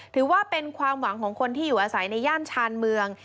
ถือว่าเป็นความหวังของคนที่อยู่อาศัยในย่านชานเมือง